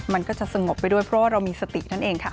มันก็จะสงบไปด้วยเพราะว่าเรามีสตินั่นเองค่ะ